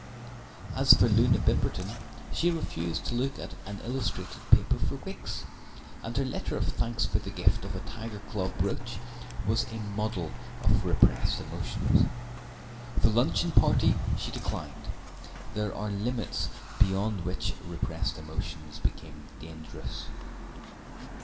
As for Loona Bimberton, she refused to look at an illustrated paper for weeks, and her letter of thanks for the gift of a tiger claw brooch was a model of repressed emotions. The luncheon party she declined; there are limits beyond which repressed emotions become dangerous.